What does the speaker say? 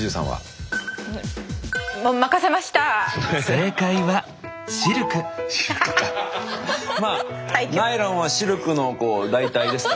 正解はまあナイロンはシルクの代替ですからね。